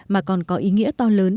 mà còn có ý nghĩa to lớn